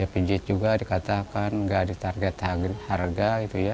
pijit juga dikatakan tidak ditarget harga